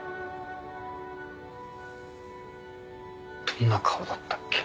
どんな顔だったっけ？